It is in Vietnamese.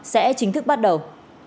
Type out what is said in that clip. sẽ bắt đầu